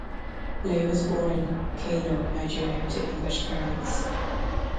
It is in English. Ley was born in Kano, Nigeria to English parents.